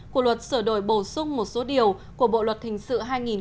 của luật sửa đổi bổ sung một số điều của bộ luật hình sự hai nghìn một mươi năm